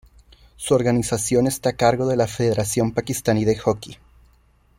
Su organización está a cargo de la Federación Pakistaní de Hockey.